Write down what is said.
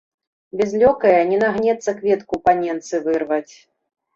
Без лёкая не нагнецца кветку паненцы вырваць.